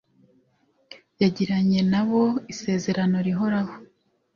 Yagiranye na bo isezerano rihoraho,